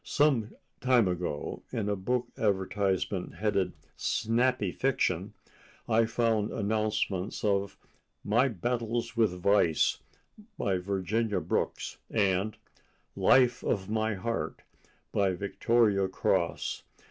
Some time ago, in a book advertisement headed "Snappy Fiction," I found announcements of "My Battles With Vice," by Virginia Brooks—and "Life of My Heart," by Victoria Cross.